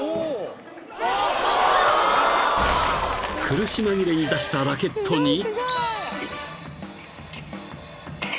［苦し紛れに出したラケットに］